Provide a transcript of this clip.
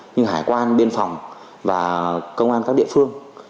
như hải quan biên phòng và công an các địa phương